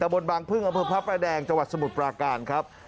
บนบางพึ่งอำเภอพระประแดงจังหวัดสมุทรปราการครับ